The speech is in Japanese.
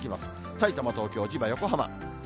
さいたま、東京、千葉、横浜。